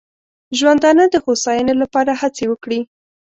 ژوندانه د هوساینې لپاره هڅې وکړي.